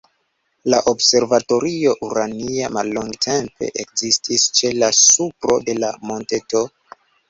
La Observatorio Urania mallongtempe ekzistis ĉe la supro de la monteto.